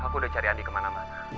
aku udah cari andi kemana mana